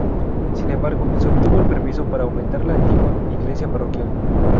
Sin embargo, se obtuvo el permiso para aumentar la antigua iglesia parroquial.